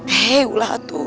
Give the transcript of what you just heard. hei ulah itu